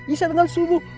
isya dengan subuh